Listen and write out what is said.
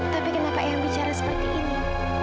tapi kenapa ayah bicara seperti ini